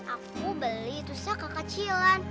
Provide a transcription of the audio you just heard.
aku beli itu sejak kekecilan